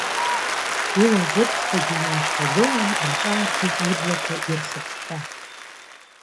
Илаӷырӡқәагьы неишьҭагылан, рҿаархеит иблақәа ирхыҳәҳәа.